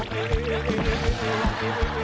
สบัดข่าวเด็ก